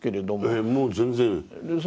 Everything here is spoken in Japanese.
ええもう全然。